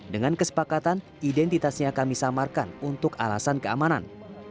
dengan kesepakatan identitasnya kami samarkan untuk alasan keamanan